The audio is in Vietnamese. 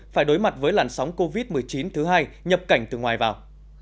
phải đối mặt với làn sóng covid một mươi chín thứ hai nhập cảnh từ ngoài vào